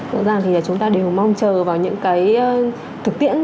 thực ra thì chúng ta đều mong chờ vào những cái thực tiễn